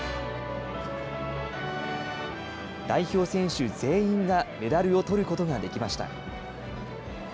代表選手全員がメダルをとることができました。